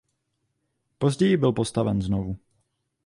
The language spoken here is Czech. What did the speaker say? Později byl postaven znovu.